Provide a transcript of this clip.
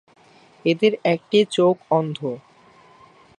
এদের একটি চোখ অন্ধ।